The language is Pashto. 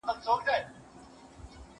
سړي ډېرې صفا او روښانه جامې په خپل تن کړې وې.